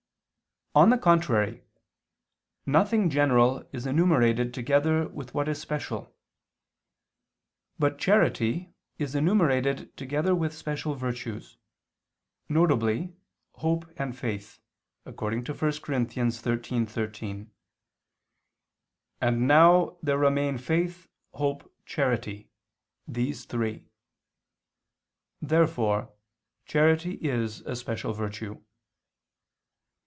On the contrary, Nothing general is enumerated together with what is special. But charity is enumerated together with special virtues, viz. hope and faith, according to 1 Cor. 13:13: "And now there remain faith, hope, charity, these three." Therefore charity is a special virtue.